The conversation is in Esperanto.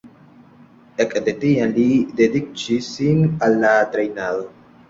Ekde tiam li dediĉis sin al la trejnado.